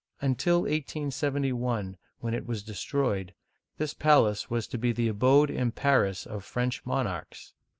Until 1871, when it was destroyed, this palace was to be the abode in Paris of French monarchs.